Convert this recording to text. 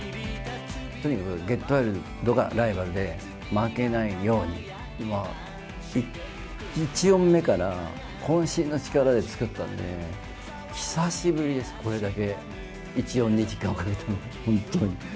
とにかくＧｅｔＷｉｌｄがライバルで、負けないように、１音目からこん身の力で作ったんで、久しぶりです、これだけ１音に時間をかけたのは、本当に。